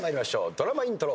ドラマイントロ。